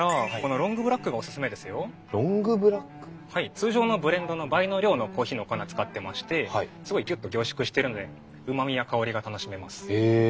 通常のブレンドの倍の量のコーヒーの粉使ってましてすごいギュッと凝縮してるのでへえあっ